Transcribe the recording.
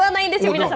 皆さん。